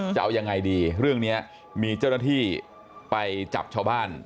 จะเอายังไงดีเรื่องนี้มีเจ้าหน้าที่ไปจับชาวบ้าน